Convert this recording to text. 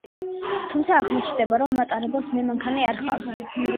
თუმცა აღმოჩნდება, რომ მატარებელს მემანქანე არ ჰყავს.